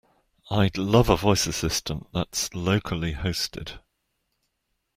I'd love a voice assistant that's locally hosted.